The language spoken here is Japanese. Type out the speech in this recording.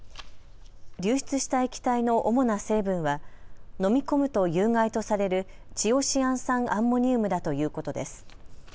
流出した液体の主な成分は飲み込むと有害とされるチオシアン酸アンモニウムだということです。